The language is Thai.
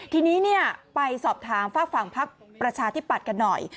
ทีนี้ไปสอบถามฝั่งภักดิ์ประชาธิบัติกันหน่อย